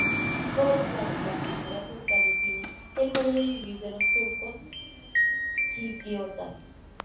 Por otro, la cultura turca define el modo de vivir de los turco-chipriotas.